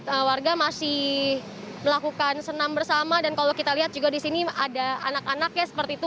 keluarga masih melakukan senam bersama dan kalau kita lihat juga disini ada anak anak ya seperti itu